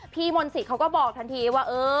พี่มนตินะเขาก็บอกทันทีว่าเอ้อ